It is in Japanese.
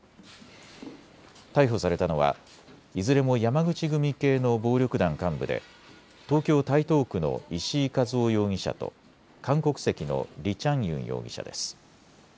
逮捕されたのはいずれも山口組系の暴力団幹部で東京台東区の石井和夫容疑者と韓国籍のリ・チャンユン容疑者です。